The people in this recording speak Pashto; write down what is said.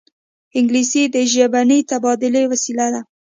انګلیسي د ژبني تبادلې وسیله ده